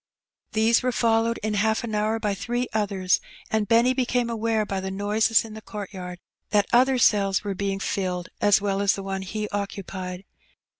These were fol lowed in half an hour by three others, and Benny became aware by the noises in the court yard that other cells were being filled as well as the one he occupied.